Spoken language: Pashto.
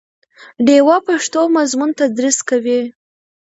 ډیوه پښتو مضمون تدریس کوي